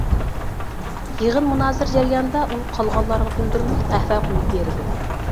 يىغىن مۇنازىرە جەريانىدا ئۇ قالغانلارغا بىلدۈرمەي قەھۋە قۇيۇپ بېرىدۇ.